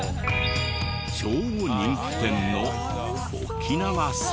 超人気店の沖縄そば。